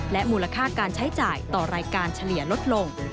มูลค่าการใช้จ่ายต่อรายการเฉลี่ยลดลง